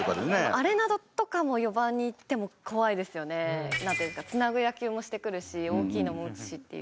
アレナドとかも４番にいっても怖いですよね。なんていうか繋ぐ野球もしてくるし大きいのも打つしっていう。